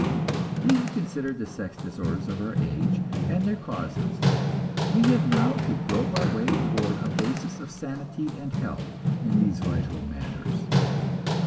We have considered the sex disorders of our age and their causes. We have now to grope our way towards a basis of sanity and health in these vital matters.